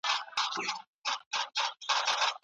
هغه وویل، د تولید راټولول ګټور شول.